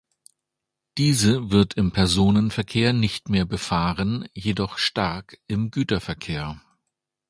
Diese wird im Personenverkehr nicht mehr befahren, jedoch stark im Güterverkehr.